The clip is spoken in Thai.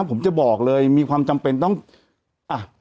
แต่หนูจะเอากับน้องเขามาแต่ว่า